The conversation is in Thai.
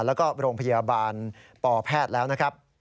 แล้วก็โรงพยาบาลปแพทย์แล้วนะครับ